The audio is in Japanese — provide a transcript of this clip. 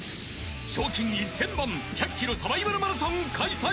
賞金１０００万、１００ｋｍサバイバルマラソン開催